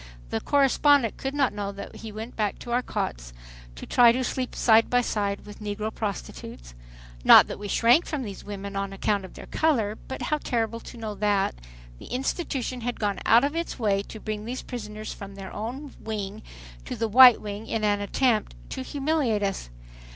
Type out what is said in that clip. The correspondent could not know that we went back to our cots to try to sleep side by side with negro prostitutes. Not that we shrank from these women on account of their color, but how terrible to know that, the institution had gone out of its way to bring these prisoners from their own wing to the white wing in an attempt to humiliate us.